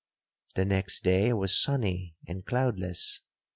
'The next day was sunny and cloudless.